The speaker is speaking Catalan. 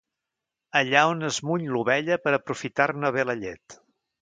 Allà on es muny l'ovella per aprofitar-ne bé la llet.